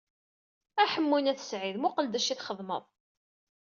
A Ḥemmu n At Sɛid, muqel d acu i txedmeḍ?